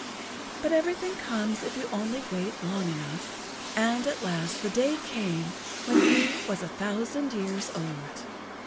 But everything comes if you only wait[Pg 73] long enough, and at last the day came when he was a thousand years old.